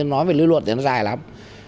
nói về lý luận thì nó dài lắm